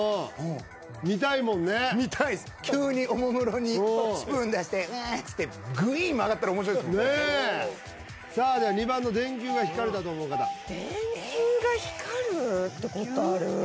見たいもんね見たいっす急におもむろにスプーン出して「ああ」つってグイーン曲がったら面白いですもんねねえさあでは２番の電球が光るだと思う方電球が光るってことある？